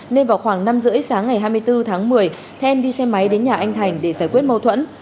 nên vào khoảng năm h ba mươi sáng ngày hai mươi bốn tháng một mươi then đi xe máy đến nhà anh thành để giải quyết mâu thuẫn